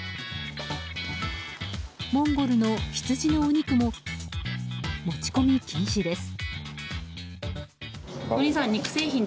モンゴルの羊のお肉も持ち込み禁止です。